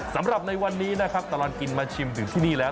สำหรับในวันนี้นะครับตลอดกินมาชิมถึงที่นี่แล้ว